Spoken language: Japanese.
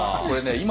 これね